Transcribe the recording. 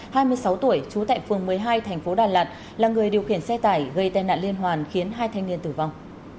tài xế bùi văn long hai mươi sáu tuổi trú tại phường một mươi hai tp đà lạt là người điều khiển xe tải gây tai nạn liên hoàn khiến hai thanh niên tử vong